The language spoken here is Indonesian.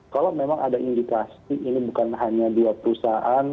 kalau memang ada indikasi ini bukan hanya dua perusahaan